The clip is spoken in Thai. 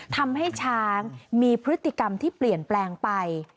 ทำให้ช้างมีพฤติกรรมที่เปลี่ยนแปลงไป